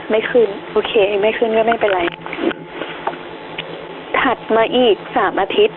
ไม่ขึ้นโอเคเองไม่ขึ้นก็ไม่เป็นไรถัดมาอีกสามอาทิตย์